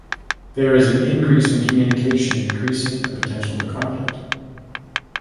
There is an increase in communication increasing the potential for conflict.